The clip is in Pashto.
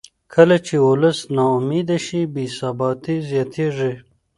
کله چې ولس نا امیده شي بې ثباتي زیاتېږي